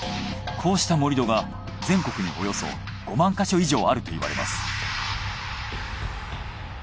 こうした盛り土が全国におよそ５万ヵ所以上あるといわれます。